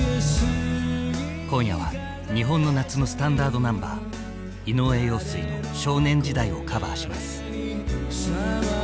今夜は日本の夏のスタンダードナンバー井上陽水の「少年時代」をカバーします。